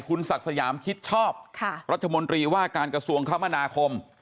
คุณศักดิ์สยามคิดชอบรัฐมนตรีว่าการกระทรวงคมนาคม